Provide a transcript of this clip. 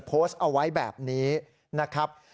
โพสต์เอาไว้แบบนี้นะครับ